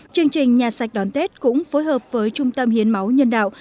chương trình nhà sạch đón tết cũng phối hợp với trung tâm hiến máu nhân đạo